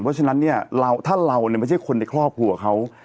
เพราะฉะนั้นเนี่ยถ้าเราไม่ใช่คนในครอบครัวเขา